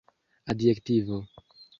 adjektivo